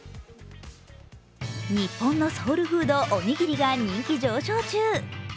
日本のソウルフードおにぎりが人気上昇中。